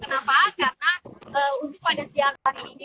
kenapa karena untuk pada siang hari ini